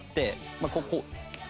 まあこう。